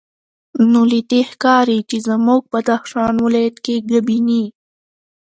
نو له دې ښکاري چې زموږ بدخشان ولایت کې ګبیني